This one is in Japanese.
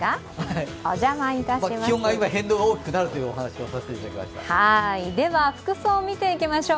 気温が今変動が大きくなるというお話をさせていただきました。